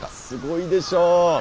すごいでしょ？